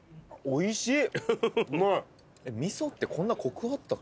おいしい。